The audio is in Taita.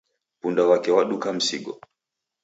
Punda wake waduka misigo